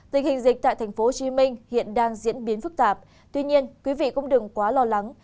tình hình dịch tại tp hcm hiện đang diễn biến phức tạp tuy nhiên quý vị cũng đừng quá lo lắng